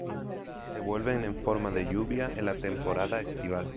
Se vuelven en forma de lluvia en la temporada estival.